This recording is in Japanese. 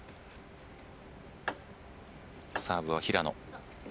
サーブは平野。